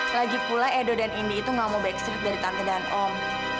lagi pula edo dan indi itu gak mau back ship dari tante dan om